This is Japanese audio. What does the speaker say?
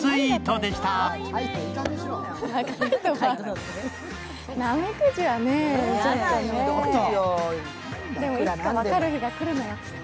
でもいつか分かる日がくるのよきっと。